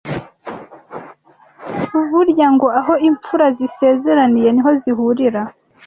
Burya ngo aho imfura zisezeraniye niho zihurira